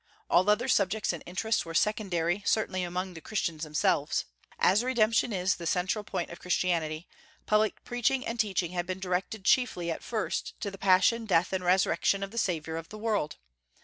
All other subjects and interests were secondary, certainly among the Christians themselves. As redemption is the central point of Christianity, public preaching and teaching had been directed chiefly, at first, to the passion, death, and resurrection of the Saviour of the world.